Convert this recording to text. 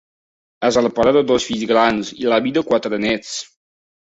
És el pare de dos fills grans i l'avi de quatre nets.